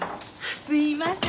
すいません